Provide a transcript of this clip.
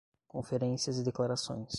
Conferências e declarações